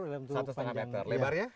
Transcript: satu lima meter lebarnya